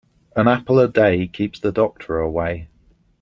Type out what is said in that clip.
An apple a day keeps the doctor away.